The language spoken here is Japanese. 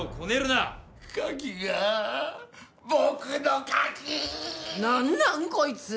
なんなん？こいつ。